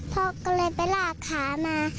พ่อก็เลยไปลากขามา